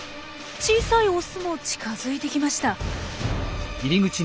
小さいオスも近づいてきました。